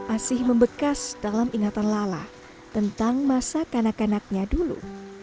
asih membekas dalam ingatan lala tentang masa kanak kanaknya dulu